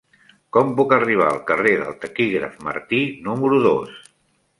Com puc arribar al carrer del Taquígraf Martí número dos?